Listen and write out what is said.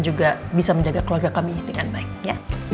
juga bisa menjaga keluarga kami dengan baik ya